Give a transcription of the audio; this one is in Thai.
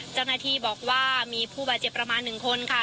เจ้าหน้าที่บอกว่ามีผู้บาดเจ็บประมาณ๑คนค่ะ